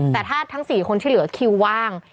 แต่ถ้าทั้ง๔คนที่เหลือคิวว่าง